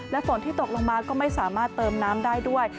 และฝนที่ตกลงมาก็ไม่สามารถเติมน้ำได้ด้วย